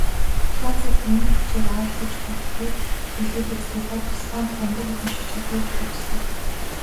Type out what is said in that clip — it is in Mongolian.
Францад биеийн хүчээр ааглаж тоглохыг илүүд үздэг бол Испанид бөмбөг эзэмших чадварыг чухалчилдаг.